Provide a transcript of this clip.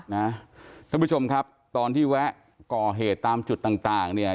ท่านผู้ชมครับตอนที่แวะก่อเหตุตามจุดต่างเนี่ย